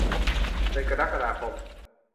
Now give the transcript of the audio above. เดือนกรกฎาคม